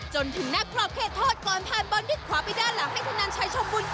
จนถึงนักครอบเขตโทษก่อนผ่านบอลด้วยขวาไปด้านหลังให้ธนันชัยชมบุญ